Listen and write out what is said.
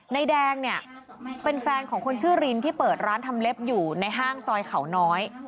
แดงเนี่ยเป็นแฟนของคนชื่อรินที่เปิดร้านทำเล็บอยู่ในห้างซอยเขาน้อย